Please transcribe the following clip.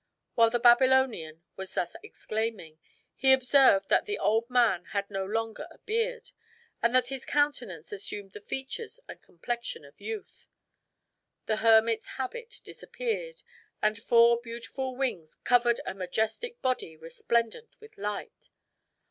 While the Babylonian was thus exclaiming, he observed that the old man had no longer a beard, and that his countenance assumed the features and complexion of youth. The hermit's habit disappeared, and four beautiful wings covered a majestic body resplendent with light.